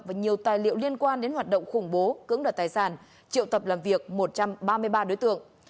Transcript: và nhiều tài liệu liên quan đến hoạt động khủng bố cưỡng đoạt tài sản triệu tập làm việc một trăm ba mươi ba đối tượng